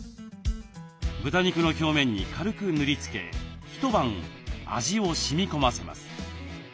豚肉の表面に軽く塗りつけ一晩味をしみこませます。